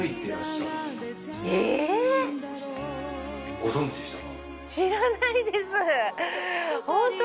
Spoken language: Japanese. ご存じでしたか？